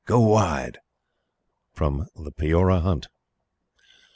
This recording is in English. Go wide!" The Peora Hunt.